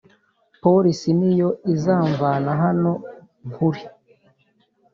Polisi niyo iza mvana hano nkuri